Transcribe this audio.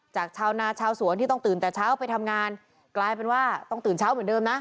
ชาวนาชาวสวนที่ต้องตื่นแต่เช้าไปทำงานกลายเป็นว่าต้องตื่นเช้าเหมือนเดิมนะ